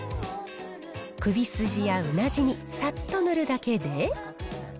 首筋やうなじにさっと塗るだけで。